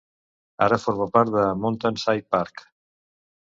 Ara forma part de "Mountain Side Park".